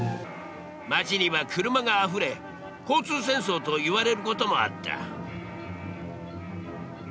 街には車があふれ交通戦争といわれることもあった。